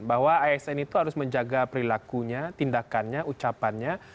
bahwa asn itu harus menjaga perilakunya tindakannya ucapannya